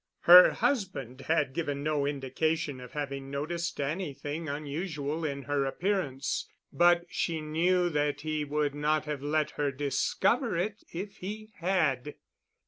Her husband had given no indication of having noticed anything unusual in her appearance, but she knew that he would not have let her discover it if he had.